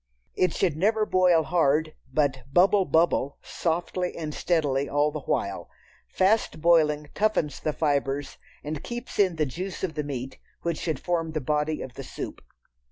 It should never boil hard, but "bubble bubble" softly and steadily all the while. Fast boiling toughens the fibres and keeps in the juice of the meat which should form the body of the soup.